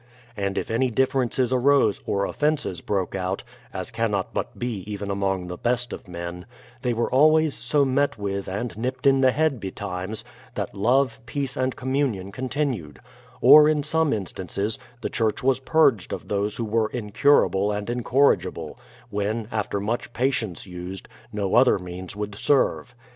And if any differences arose or offences broke out, — as cannot but be even amongst the best of men, — they were always so met with and nipped in the head betimes, that love, peace, and communion continued ; or, in some instances, the church was purged of those who were incurable and incorrigible, when, after much patience used, no other means would 16 BRADFORD'S HISTORY OF serve.